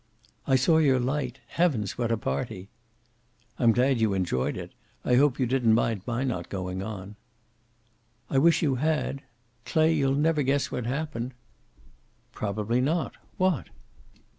"I saw your light. Heavens, what a party!" "I'm glad you enjoyed it. I hope you didn't mind my not going on." "I wish you had. Clay, you'll never guess what happened." "Probably not. What?"